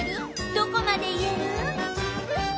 どこまで言える？